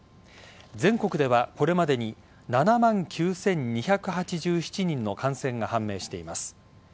全国ではこれまでに７万９２８７人の感染が判明しています。